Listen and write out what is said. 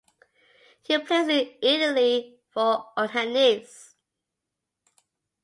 He plays in Italy for Olhanense.